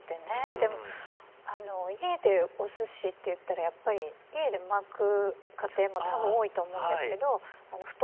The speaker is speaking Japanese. でも家でお寿司っていったらやっぱり家で巻く家庭も多分多いと思うんですけど太巻き。